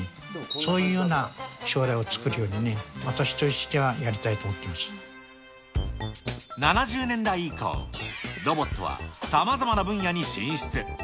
そういうような将来を作るようにね、私としてはやりたいと思って７０年代以降、ロボットはさまざまな分野に進出。